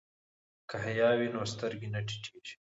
که حیا وي نو سترګې نه ټیټیږي.